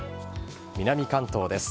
南関東です。